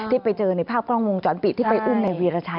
ที่ไปเจอในภาพกล้องวงจรปิที่ไปอุ่นในเวลาใช้